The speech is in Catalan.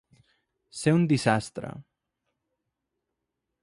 Ser un diastre.